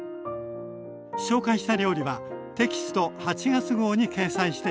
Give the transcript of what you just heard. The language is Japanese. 紹介した料理はテキスト８月号に掲載しています。